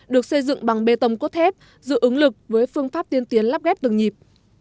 được xây dựng bằng bê tông cốt thép giữ ứng lực với phương pháp tiên tiến lắp ghép từng nhịp